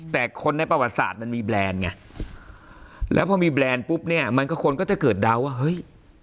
แต่คนในประวัติศาสตร์มันมีแบรนด์ไงแล้วพอมีแบรนด์ปุ๊บเนี่ยมันก็คนก็จะเกิดเดาว่าเฮ้ย